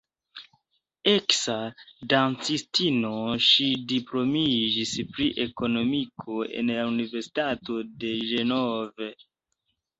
Eksa dancistino, ŝi diplomiĝis pri ekonomiko en la Universitato de Ĝenevo.